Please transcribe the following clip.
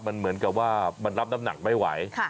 มันเหมือนกับว่ามันรับน้ำหนักไม่ไหว